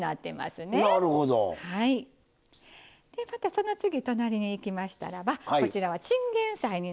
その次隣にいきましたらばこちらはチンゲン菜になりますね。